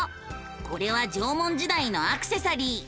これは縄文時代のアクセサリー。